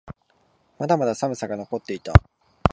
まだまだ寒さが残っていた。